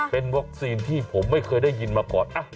เป็นวัคซีนที่ผมไม่เคยได้ยินมาก่อน